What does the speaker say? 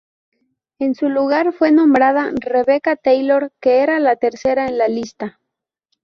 En su lugar fue nombrada Rebecca Taylor, que era la tercera en la lista.